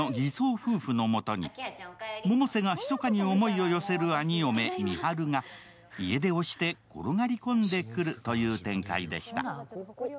夫婦のもとに百瀬がひそかに思いを寄せる兄嫁・美晴が家出をして転がり込んでくるという展開でした。